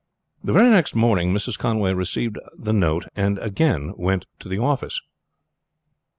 The very next morning Mrs. Conway received the note, and again went to the office.